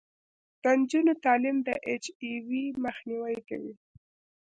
د نجونو تعلیم د اچ آی وي مخنیوی کوي.